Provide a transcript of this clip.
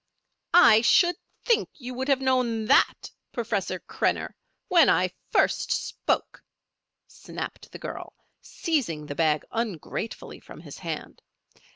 "I should think you would have known that, Professor Krenner, when I first spoke," snapped the girl, seizing the bag ungratefully from his hand.